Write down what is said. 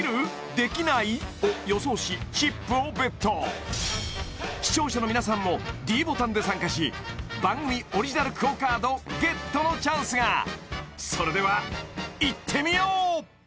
できない？を予想しチップをＢＥＴ視聴者の皆さんもｄボタンで参加し番組オリジナルＱＵＯカードＧＥＴのチャンスがそれではいってみよう！